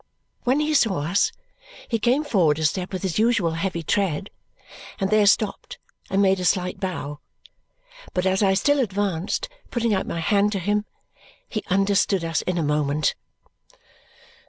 When he saw us, he came forward a step with his usual heavy tread, and there stopped and made a slight bow. But as I still advanced, putting out my hand to him, he understood us in a moment.